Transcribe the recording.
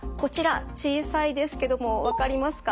小さいですけども分かりますか？